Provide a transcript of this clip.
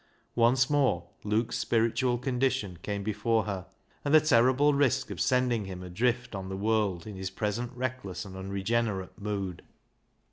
Once more Luke's spiritual condition came before her, and the terrible risk of sending him adrift on the world in his present reckless and unregenerate mood.